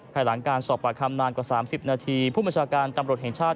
ภายหลังการสอบปากคำนานกว่า๓๐นาทีผู้บัญชาการตำรวจแห่งชาติ